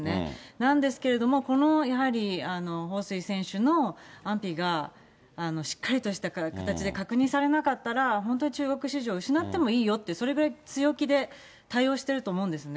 なんですけれども、このやはり、彭帥選手の安否がしっかりとした形で確認されなかったら、本当に中国市場を失ってもいいよって、それぐらい強気で対応していると思うんですよね。